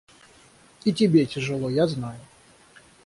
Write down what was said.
И тебе тяжело, я знаю.